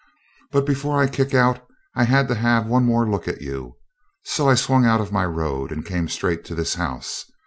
But before I kick out I had to have one more look at you. So I swung out of my road and came straight to this house.